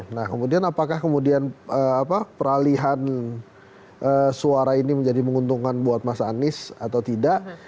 nah kemudian apakah kemudian peralihan suara ini menjadi menguntungkan buat mas anies atau tidak